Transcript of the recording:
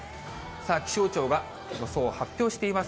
気象庁は予想を発表しています。